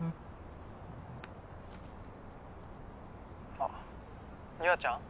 あっ優愛ちゃん？